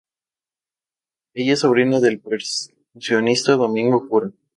Ella es sobrina del percusionista Domingo Cura.